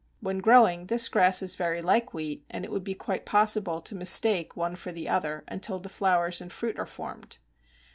When growing, this grass is very like wheat, and it would be quite possible to mistake one for the other until the flowers and fruit are formed.